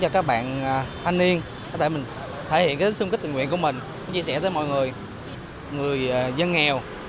tại mình thể hiện xung kích tình nguyện của mình chia sẻ với mọi người người dân nghèo